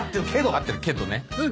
合ってるけどね。